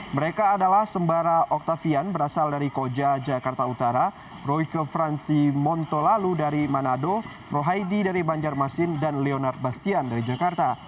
mereka adalah sembara octavian berasal dari koja jakarta utara royke fransi montolalu dari manado rohaidi dari banjarmasin dan leonard bastian dari jakarta